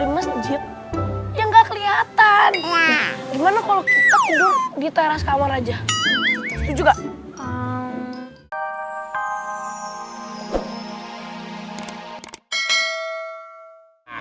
di masjid yang kelihatan gimana kalau kita tidur di teras kamar aja juga